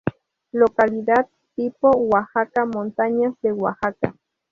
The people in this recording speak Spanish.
Localidad tipo: Oaxaca: montañas de Oaxaca.